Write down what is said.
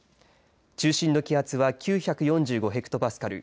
中心の気圧は９４５ヘクトパスカル。